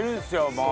もう。